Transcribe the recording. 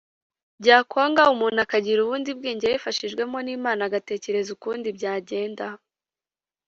byakwanga umuntu akagira ubundi bwenge abifashijwemo n’Imana agatekereza ukundi byagenda